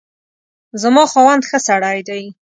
زما خاوند ښه سړی دی